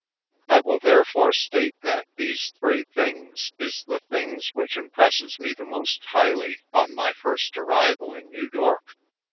I will therefore state that these three things is the things which impresses me the most highly on my first arrival in New York.